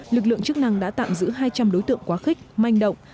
lực lượng chức năng đã tạm giữ hai trăm linh đối tượng quá khích manh động